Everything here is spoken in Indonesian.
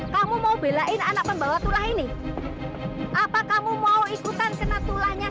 sampai jumpa di video selanjutnya